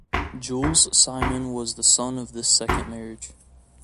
Jules Simon was the son of this second marriage.